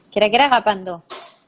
kira kira kapan tuh